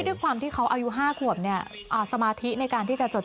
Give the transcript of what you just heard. ด้วยความที่เขาอายุ๕ขวบเนี่ยสมาธิในการที่จะจด